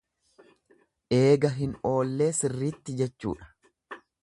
Eega hin oollee sirritti jechuudha.